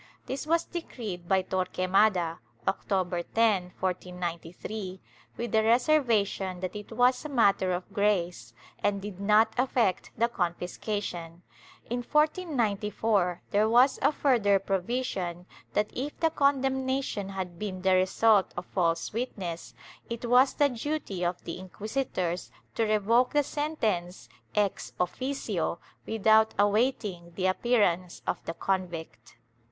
This was decreed by Torquemada, October 10, 1493, with the reservation that it was a matter of grace and did not affect the confiscation. In 1494 there was a further provision that, if the condemnation had been the result of false witness, it was the duty of the inquisitors to revoke the sentence ex officio, without awaiting the appearance of the convict.